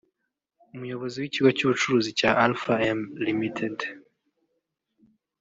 Umuyobozi w’Ikigo cy’Ubucuruzi cya Alpha M Ltd